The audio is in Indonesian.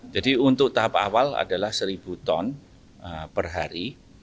jadi untuk tahap awal adalah seribu ton per hari